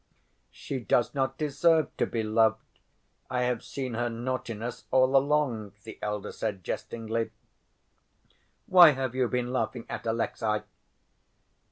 "She does not deserve to be loved. I have seen her naughtiness all along," the elder said jestingly. "Why have you been laughing at Alexey?"